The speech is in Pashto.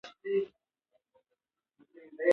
هوا د افغان ځوانانو لپاره دلچسپي لري.